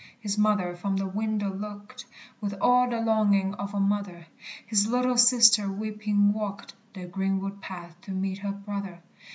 His mother from the window looked With all the longing of a mother; His little sister weeping walked The greenwood path to meet her brother.